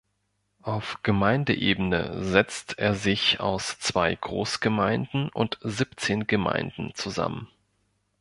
Auf Gemeindeebene setzt er sich aus zwei Großgemeinden und siebzehn Gemeinden zusammen.